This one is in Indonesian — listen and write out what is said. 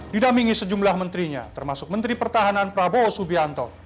didampingi sejumlah menterinya termasuk menteri pertahanan prabowo subianto